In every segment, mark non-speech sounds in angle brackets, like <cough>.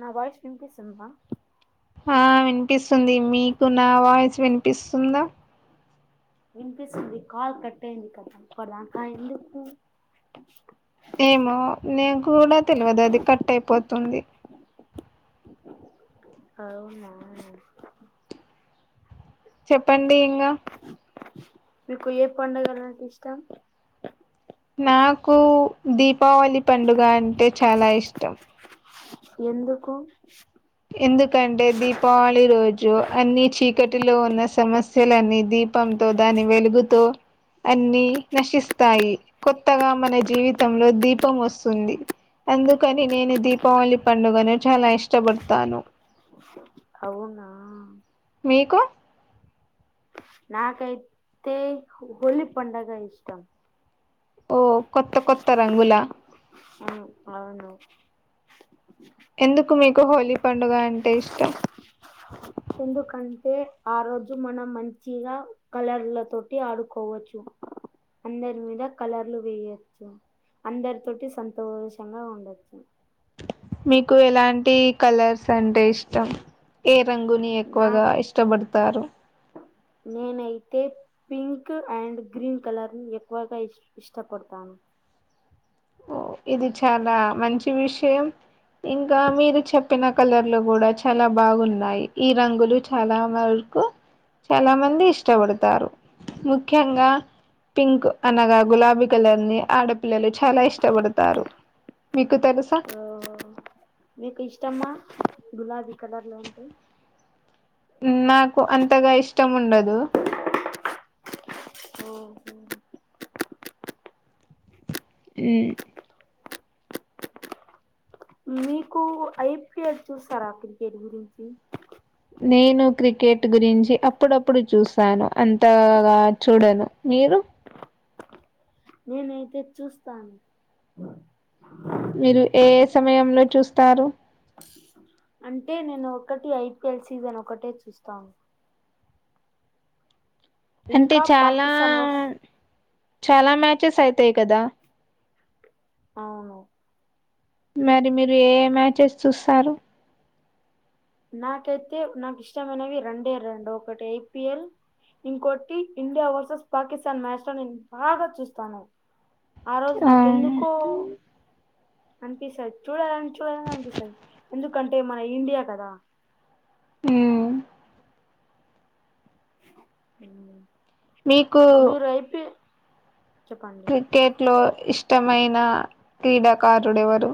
నా వాయిస్ వినిపిస్తుంద ఆ వినిపిస్తుంది. మీకు నా వాయిస్ వినిపిస్తుందా? వినిపిస్తుంది. కాల్ కట్ అయింది కదా ఇప్పటిడంక ఎందుకు. ఏమో నేకు కూడా తెలియదు అది కట్ అయిపోతుంది. అవునా చెప్పండి ఇంగా మీకు ఏ పండగలు అంటే ఇష్టం నాకు దీపావళి పండుగ అంటే చాలా ఇష్టం. ఎందుకు ఎందుకంటే దీపావళి రోజు అన్ని చీకటిలో ఉన్న సమస్యలనేది దీపంతో, దాని వెలుగుతో అన్ని నశిస్తాయి, కొత్తగా మన జీవితంలో దీపం వస్తుంది. అందుకని నేను దీపావళి పండుగను చాలా ఇష్టపడతాను అవునా మీకు నాకైతే హోలి పండగ ఇష్టం ఓ కొత్త కొత్త రంగులా అ అవును ఎందుకు మీకు హోలీ పండుగ అంటే ఇష్టం తే ఆ రోజు మనం మంచిగా కలర్ల తోటి ఆడుకోవచ్చు అందరి మీద కలర్లు వేయచ్చు అందరి తోటి సంతోషంగా ఉండొచ్చు మీకు ఎలాంటి కలర్స్ అంటే ఇష్టం ఏ రంగుని నాకు ఎక్కువగా ఇష్టపడతారు నినైతే పింక్ అండ్ గ్రీన్ కలర్ ఎక్కువగా ఇస్ ఇష్టపడతాను ఓ ఇది చాలా మంచి విషయం ఇంకా మీరు చెప్పిన కలర్లు కూడా చాలా బాగున్నాయి ఈ రంగులు చాలా మ కు చాలా మంది ఇష్టపడతారు ముఖ్యంగా పింక్ అనగా గులాబీ కలర్ ని ఆడపిిల్లలు చాలా ఇష్ ష్టపడుతారు మీకు తెలుసా ఓ మీకు ఇష్టమ గులాబీ కలర్లు అంటే నాకు అంతగా ఇష్టం ఉండదు ఓ మ్ మీకు ఐపిఎల్ చూస్తారా క్రికెట్ గురించి నేను క్రికెట్ గురించి అప్పుడప్పుడు చూసాను అంతగా చూడను మీరు నేనైతే చూస్తాను మీరు ఏ ఏ సమయంలో చూస్తారు అంటే నేను ఒకటి ఐపిఎల్ సీజన్ ఒకటే చూస్తాను అంటే ఇంకా చాలా పాకిస్తాన్ వర్స్ చాలా మ్యాచెస్ అయితాయి కదా అవును మరి మీరు ఏ మ్యాచెస్ చూస్తారు నాకైతే నాకు ఇష్టమైనవి రెండే రెండు ఒకటి ఐపిఎల్ ఇంకొటి ఇండియా వర్సెస్ పాకిస్తాన్ మ్యాచ్ లో నేను బాగా చూస్తాను ఆ రోజు నాకెందుకో అనిపిస్తది చూడాలని చూడాలని అనిపిస్తది ఎందుకంటే మన ఇండియా కదా హుమ్ మీకు మీరు ఐపి చెప్పండి క్రికెట్ లో ఇష్టమైన క్రీడాకారుడెవరు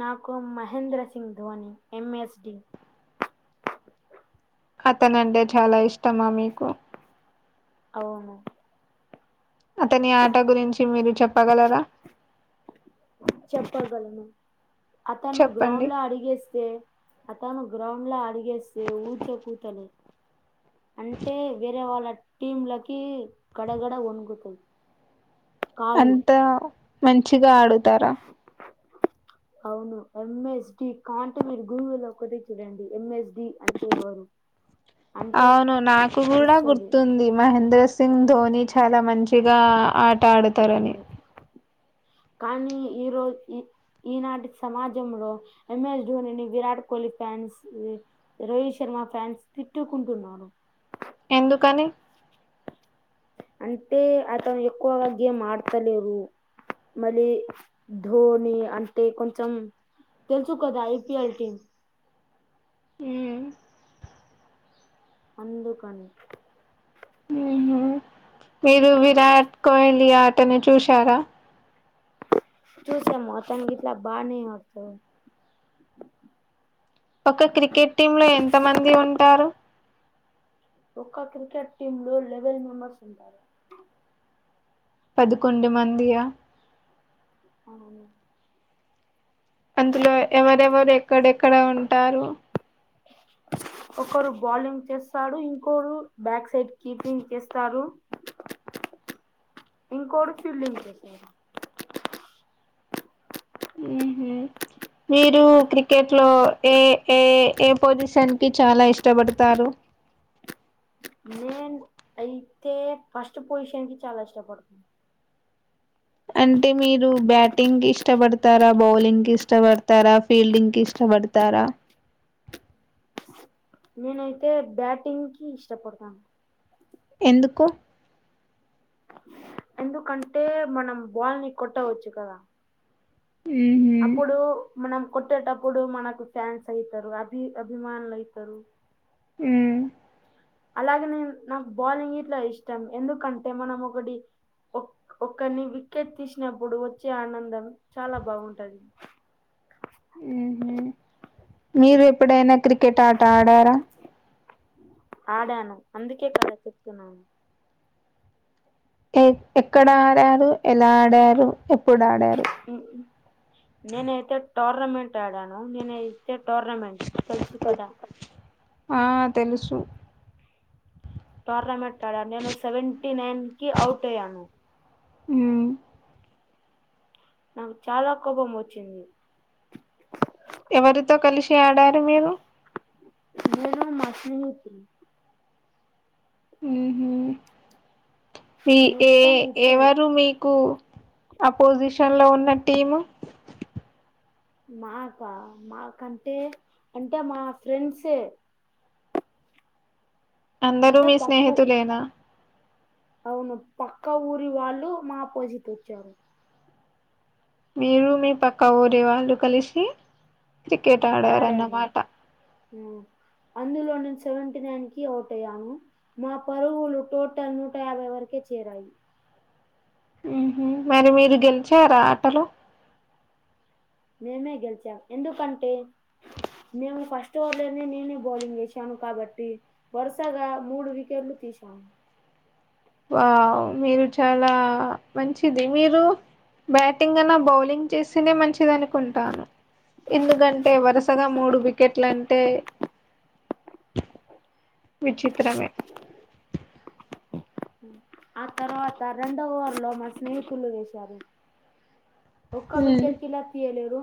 నాకు మహేంద్ర సింగ్ ధోని ఎంఎస్డి అతనంటే చాలా ఇష్టమా మీకు అవును అతని ఆట గురించి మీరు చెప్పగలరా చెప్పగలను అతను చెప్పండి గ్రౌండ్ లో అడిగేస్తే అతను గ్రౌండ్ లో అడుగేస్తే ఊచ కూతలే అంటే వేరే వాళ్ళ టీమ్ లకి గడ గడ ఒనుకుతది అంత మంచిగా ఆడుతారా అవును ఎంఎస్డి కాంటే మీరు గూగుల్ లో కొట్టి చూడండి ఎంఎస్డి అంటే ఎవరు అంటే అవును నాకు కూడా వస్తది గుర్తుంది మహేంద్ర సిం సింగ్ ధోని చాలా మంచిగా ఆట ఆడుతారని కానీ ఈ రోజు ఈ ఈనాటి సమాజంలో ఎంఎస్ ధోనిని విరాట్ కోహ్లీ ఫ్యాన్స్ రోహిత్ శర్మ ఫ్యాన్స్ తిట్టుకుంటున్నారు ఎందుకని అంటే అతను ఎక్కువగా గేమ్ ఆడతలేరు మళ్ళీ ధోని అంటే కొంచెం తెలుచు కదా ఐ పీ ఎల్ టీమ్ ఊ అందుకని ఊహు మీరు విరాట్ కోహ్లీ ఆటను చూశారా చూసాము అతన్ గిట్లా బానే ఆడుతా ఒక క్రికెట్ టీమ్ లో ఎంత మంది ఉంటారు ఒక్క క్రికెట్ టీమ్ లో లెవెల్ మెంబర్స్ ఉంటారు పదకొండు మందియా అవును అందులో ఎవరెవరు ఎక్కడెక్కడ ఉంటారు ఒకరు బాలింగ్ చేస్తారు ఇంకోరు బ్యాక్ సైడ్ కీపింగ్ చేస్తారు ఇంకోడు ఫీల్డింగ్ చేసారు ఏహ్లే మీరు క్రికెట్ లో ఏ ఏ ఏ పొజిషన్ కి చాలా ఇష్టపడతారు నేను అయితే ఫస్ట్ పొజిషన్కి చాలా ఇష్టపడతా అంటే మీరు బ్యాటింగ్ ఇష్టపడతారా బౌలింగ్ ఇష్టపడతారా ఫీల్డింగ్ కి ఇష్ట బడుతారా నేనైతే బ్యాటింగ్ కి ఇష్టపడతా ఎందుకో ఎందుకంటే మనం బాల్ని కొట్టవచ్చు కదా మ్మ్ అప్పుడు మనం కొట్టేటప్పుడు మనకు ఫ్యాన్స్ అయితరు అభి అభిమానులు అయితరు ఊ అలాగే నేన్ నాకు బౌలింగ్ ఇట్లా ఇష్టం ఎందుకంటే మనం ఒగటి ఒక్కరిని విక్కెట్ తీసినప్పుడు వచ్చే ఆనందం చాలా బాగుంటది ఊహు మీరు ఎప్పుడైనా క్రికెట్ ఆట ఆడారా ఆడాను అందుకే కద చెప్తున్నాను ఎ ఎక్కడ ఆడారు ఎలా ఆడారు ఎప్పుడు ఆడారు నేనైతే టోర్నమెంట్ ఆడాను నేనై టోర్నమెంట్ తెలుసు కదా ఆ తెలుసు టోర్నమెంట్ ఆడా నేను సెవెంటీ నైన్ కి అవుట్ అయ్యాను ఊ నాకు చాలా కోపం వచ్చింది ఎవరితో కలిసి ఆడారు మీరు మీరు మష్నిగొత్తిం ఊహు మీ ఏ మొత్తం ముప్పై ఎవరు మీకు అపోజిషన్ లో ఉన్న టీము నాకా మాకంటే అంటే మా ఫ్రెండ్సే అందరూ అంటే మీ పక్కు స్నేహితులేనా అవును పక్క ఊరి వాళ్ళు మా అపోజిట్ వచ్చారు మీరు మీ పక్క ఊరి వాళ్ళు కలిసి క్రికెట్ అడారన్నమాట ఉ అందులో నేను సెవెంటీ నైన్ కి అవుట్ అయ్యాను మా పరువులు టోటల్ నూట యాభై వరకి చేరాయి ఉహు మరి మీరు గెలిచార ఆటలు మేమే గెలిచాం ఎందుకంటే నేను ఫస్ట్ ఓవర్ లోనే నేనే బౌలింగ్ చేసాను కాబట్టి వరుసగా మూడు వికెట్లు తీ చా వా మీరు చాలా మంచిది మీరు బ్యాటింగ్ అన్నా బౌలింగ్ చేస్తేనే మంచిది అనుకుంటాను ఎందుకంటే వరుసగా మూడు వికెట్లంటే విచిత్రమే ఆ తర్వాత రెండవ ఓవర్లో మా స్నేహితులు వేశారు ఒక్క ఉమ్ వికెట్ కిలా తీయలేరు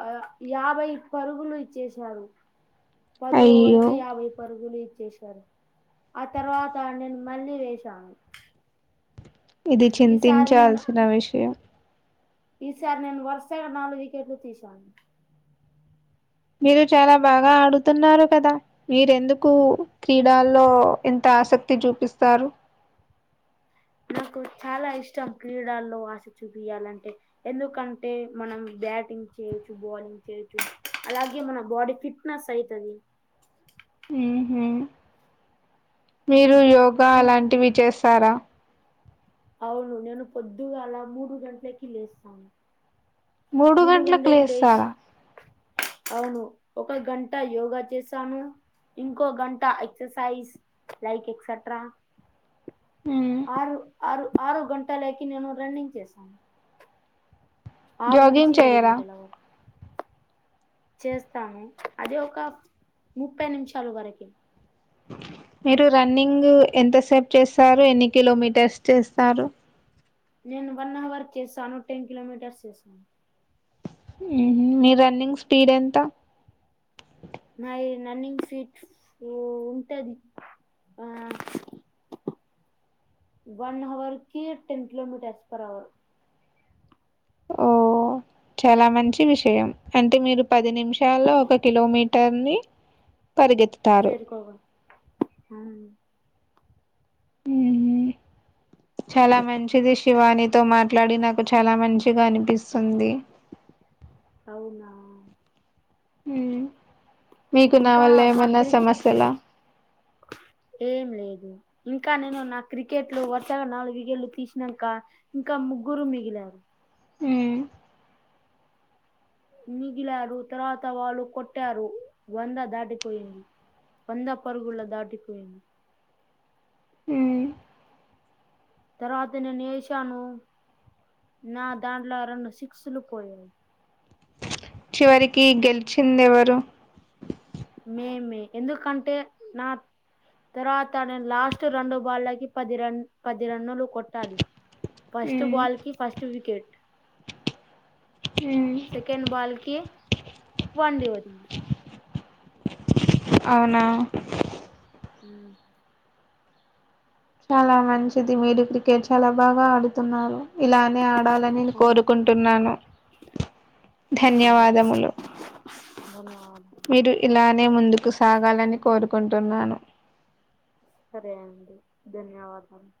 ఆ యాభై పరుగులు ఇచ్చేసారు పది అయ్యో వరుకు యాభై పరుగులీ తీశారు ఆ తర్వాత నేను మళ్ళీ వేశాను ఇది ఈసారి చింతించాల్సిన విషయం ఈసారి నేను వరుసగా నాలుగు వికెట్లు తీశాను మీరు చాలా బాగా ఆడుతున్నారు కదా మీరెందుకు క్రీడాల్లో ఇంత ఆసక్తి చూపిస్తారు కు చాలా ఇష్టం క్రీడల్లో ఆశ చూపియాలంటే ఎందుకంటే మనం బ్యాటింగ్ చేయొచ్చు బౌలింగ్ చేయొచ్చు అలాగే మన బాడీ ఫిట్నెస్ అయితది ఉహు మీరు ఉమ్. యోగా ఇంకా అలాంటివి చేస్తారా అవును నేను పొద్దుగాలా మూడు గంటలకి లేస్తాను మూడు గంటలకు గంటలకి లేచి లేస్తారా అవును ఒక గంట యోగా చేశాను ఇంకో గంట ఎక్ససైజ్ లైక్ ఎక్సట్రా మ్మ్ ఆరు ఆరు ఆరు గంటలకి నేను రన్నింగ్ చేశాను ఆరు నుంచి జాగింగ్ ఏడు చేయరా గంటలు చేస్తాను అది ఒక ముప్పై నిమిషాలు వరకి మీరు రన్నింగ్ ఎంతసేపు చేస్తారు ఎన్ని కిలోమీటర్స్ చేస్తారు నేను వన్ అవర్ చేసాను టెన్ కిలోమీటర్స్ చేసాను మీ రన్నింగ్ స్పీడ్ ఎంత నాయి నన్నింగ్స్ సిక్స్ ఉంటది ఆ వన్ హవర్ కి టెన్ కిలోమీటర్స్ పర్ అవర్ ఓహో చాలా మంచి విషయం అంటే మీరు పది నిమిషాల్లో ఒక కిలోమీటర్ ని పరిగెత్తతారు ఆ ఊ చాలా మంచిది శివాని తో మాట్లాడి నాకు చాలా మంచిగా అనిపిస్తుంది అవునా ఉ ఇంకా మాక్కడి ఏం లేదు ఇంకా నేను నా క్రికెట్లు వరుసగా నాలుగు వికెట్లు తీసినాంక ఇంకా ముగ్గురు మిగిలారు మ్మ్ మిగిలారు తర్వాత వాళ్ళు కొట్టారు వంద దాటిపోయింది వందా పరుగులు దాటి పోయింది మ్మ్ తర్వాత నేను ఏశాను నా దాంట్లో అ రెండు సిక్సులు పోయాయి చివరికి గెలిచింది ఎవరు మేమే ఎందుకంటే నా తర్వాత లాస్ట్ రెండు బాళ్ళకి పది రన్ పది రన్నులు కొట్టాలి ఫస్ట్ మ్మ్ బాల్ కి ఫస్ట్ వికెట్ మ్మ్ సెకండ్ బాల్ కి వన్ డి <unintelligible> అవునా హ్మ్ చాలా మంచిది మీరు క్రికెట్ చాలా బాగా ఆడుతున్నారు ఇలానే ఆడాలని నే ఓకే కోరుకుంటున్నాను ధన్యవాదములు ధన్యవాదాలు మీరు ఇలానే ముందుకు సాగాలని కోరుకుంటున్నాను సరే అండి ధన్యవాదాలు